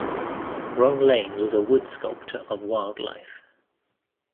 Ron Lane was a wood sculptor of wildlife.